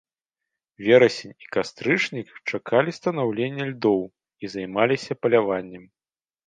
Верасень і кастрычнік чакалі станаўлення льдоў і займаліся паляваннем.